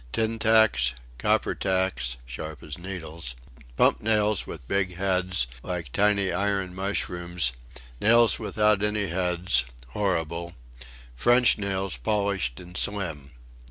Tin tacks, copper tacks (sharp as needles); pump nails with big heads, like tiny iron mushrooms; nails without any heads (horrible); French nails polished and slim.